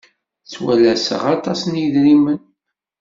Ttwalaseɣ aṭas n yidrimen.